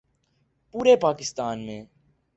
پورے پاکستان میں